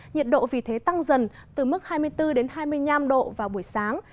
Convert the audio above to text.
nhiệt độ vì thế tăng dần từ mức hai mươi bốn hai mươi năm độ vào buổi sáng